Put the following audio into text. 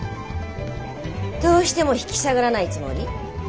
どうしても引き下がらないつもり？